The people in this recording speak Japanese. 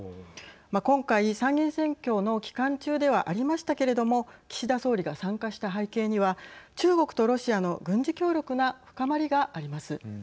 今回、参議院選挙の期間中ではありましたけれども岸田総理が参加した背景には中国とロシアの軍事協力の深まりがあります。